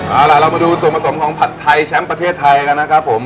เอาล่ะเรามาดูส่วนผสมของผัดไทยแชมป์ประเทศไทยกันนะครับผม